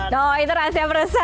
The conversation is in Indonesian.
nah itu rahasia perusahaan